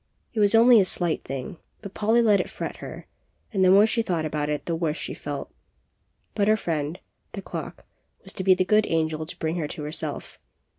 It was only a slight thing, but Polly let it fret her; and the more she thought about it the worse she felt. But her friend, the clock, was to be the good angel to bring her to herself.